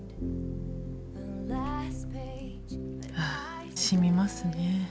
あしみますね。